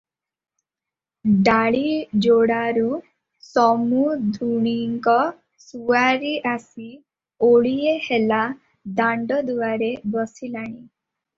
ଡାଳିଯୋଡ଼ାରୁ ସମୁନ୍ଧୁଣୀଙ୍କ ସୁଆରି ଆସି ଓଳିଏ ହେଲା ଦାଣ୍ତଦୁଆରେ ବସିଲାଣି ।